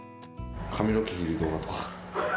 髪の毛切る動画。